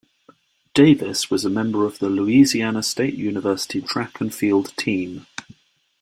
Davis was a member of the Louisiana State University track and field team.